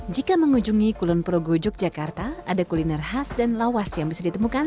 jika mengunjungi kulon progo yogyakarta ada kuliner khas dan lawas yang bisa ditemukan